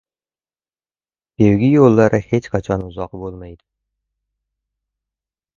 • Sevgi yo‘llari hech qachon uzoq bo‘lmaydi.